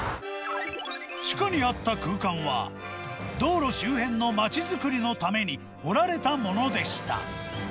地下にあった空間は、道路周辺の街づくりのために掘られたものでした。